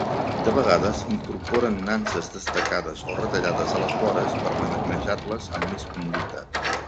De vegades, incorporen nanses destacades o retallades a les vores per manejar-les amb més comoditat.